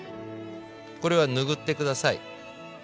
これは拭って下さい。